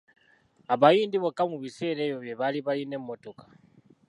Abayindi bokka mu biseera ebyo be baali balina emmotoka.